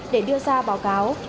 để đưa ra báo cáo